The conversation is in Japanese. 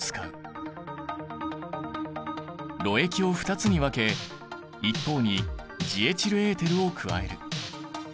ろ液を２つに分け一方にジエチルエーテルを加える。